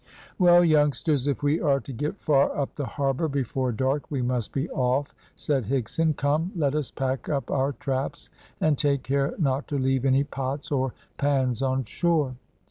"Well, youngsters, if we are to get far up the harbour before dark we must be off," said Higson. "Come, let us pack up our traps, and take care not to leave any pots or pans on shore."